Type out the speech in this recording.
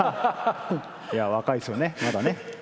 若いですよね、まだね。